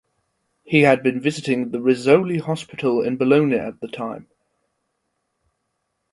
He had been visiting the Rizzoli Hospital in Bologna at the time.